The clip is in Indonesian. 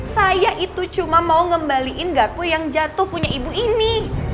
saya itu cuma mau ngembaliin gak aku yang jatuh punya ibu ini